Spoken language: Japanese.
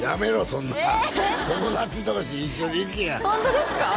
そんな友達同士一緒に行けやホントですか？